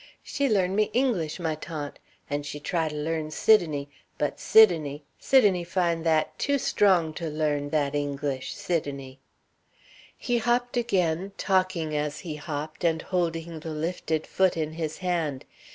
"She learn me English, my tante. And she try to learn Sidonie; but Sidonie, Sidonie fine that too strong to learn, that English, Sidonie." He hopped again, talking as he hopped, and holding the lifted foot in his hand.